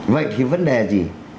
vậy thì vấn đề gì